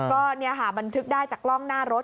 ก็มันทึกได้จากกล้องหน้ารถ